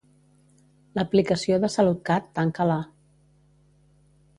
L'aplicació de Salutcat tanca-la.